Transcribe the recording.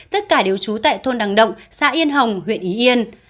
tất cả đều trú tại thôn đằng động xã yên hồng huyện ý yên